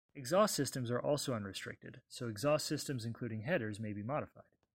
Exhaust systems are also unrestricted, so exhaust systems including headers may be modified.